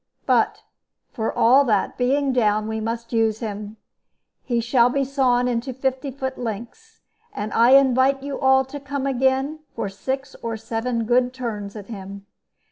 But, for all that, being down, we must use him. He shall be sawn into fifty foot lengths. And I invite you all to come again, for six or seven good turns at him."